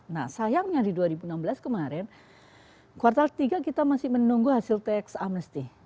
nah sayangnya di dua ribu enam belas kemarin kuartal tiga kita masih menunggu hasil tax amnesty